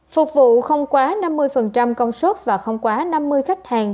phục vụ không quá năm mươi công suất và không quá năm mươi khách hàng